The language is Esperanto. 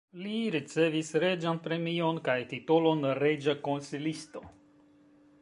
Li ricevis reĝan premion kaj titolon reĝa konsilisto.